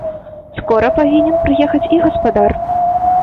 Скора павінен прыехаць і гаспадар.